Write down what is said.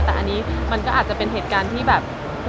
แต่อันนี้มันก็อาจจะเป็นเหตุการณ์ที่แบบ